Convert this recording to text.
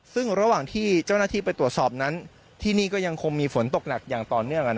ซึ่งระหว่างที่เจ้าหน้าที่ไปตรวจสอบนั้นที่นี่ก็ยังคงมีฝนตกหนักอย่างต่อเนื่อง